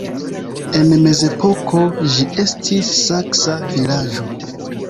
En mezepoko ĝi estis saksa vilaĝo.